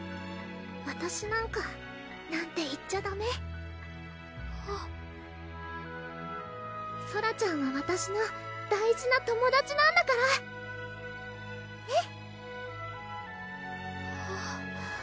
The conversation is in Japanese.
「わたしなんか」なんて言っちゃダメソラちゃんはわたしの大事な友達なんだからねっ？